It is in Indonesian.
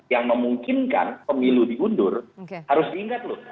yang memungkinkan pemilu diundur harus diingat loh